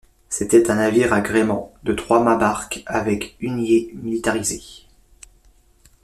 C'était un navire à gréement de trois-mâts barque, avec huniers militarisés.